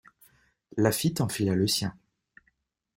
Laffitte enfila le sien.